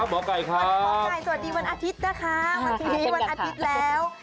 สวัสดีวันอาทิตย์แล้ว